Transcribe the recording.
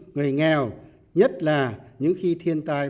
người nghèo nhất là những khi thiên tai bão lũ xảy ra